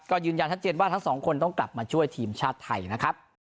ก็ยืนยันชัดเจนว่าทั้งสองคนต้องกลับมาช่วยทีมชาติไทยนะครับ